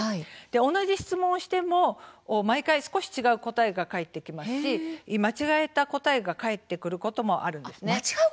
同じ質問をしても、毎回少し違う答えが返ってきますし間違えた答えが返ってくることもあります。